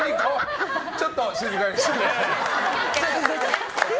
ちょっと静かにしてもらって。